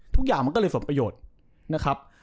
ทุกอย่างมันก็เลยสมประโยชน์นะครับ